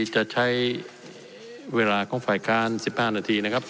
จะใช้เวลาของฝ่ายการสิบห้านาทีนะครับ